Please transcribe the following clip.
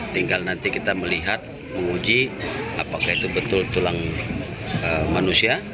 tinggal nanti kita melihat menguji apakah itu betul tulang manusia